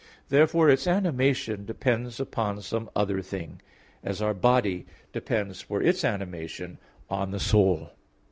Therefore its animation depends upon some other thing, as our body depends for its animation on the soul.